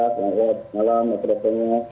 selamat malam mbak pras